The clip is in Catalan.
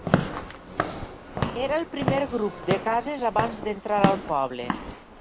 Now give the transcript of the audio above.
Era el primer grup de cases abans d'entrar al poble.